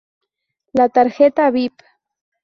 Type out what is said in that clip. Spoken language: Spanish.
La tarjeta bip!